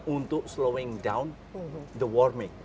untuk mempercepat kelembapan